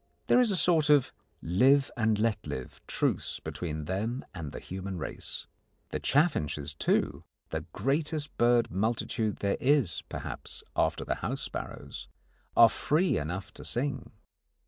There is a sort of "live and let live" truce between them and the human race. The chaffinches, too the greatest bird multitude there is, perhaps, after the house sparrows are free enough to sing.